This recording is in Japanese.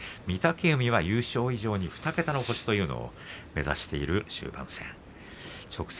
御嶽海は優勝以上に２桁の星を目指している終盤戦です。